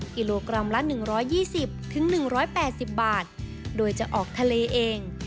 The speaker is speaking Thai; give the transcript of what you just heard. กิโลกรัมละ๑๒๐๑๘๐บาทโดยจะออกทะเลเอง